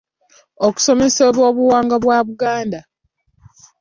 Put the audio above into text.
Okusomesa ebyobuwangwa by’Abaganda.